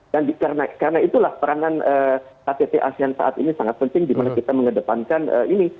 dan karena itulah peranan ktt asean saat ini sangat penting di mana kita mengedepankan ini